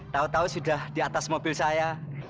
tahu tahu sudah di atas mobil saya